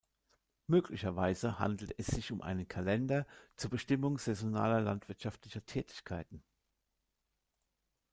Möglicherweise handelt es sich um einen Kalender zur Bestimmung saisonaler landwirtschaftlicher Tätigkeiten.